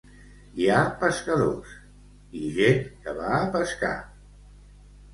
Hi ha pescadors i gent que va a pescar.